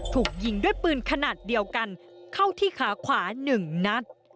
ถูกยิงด้วยปืนขนาดเดียวกันเข้าที่ขาขวา๑นัด